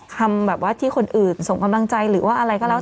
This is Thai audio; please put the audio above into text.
คำแบบว่าที่คนอื่นส่งกำลังใจหรือว่าอะไรก็แล้ว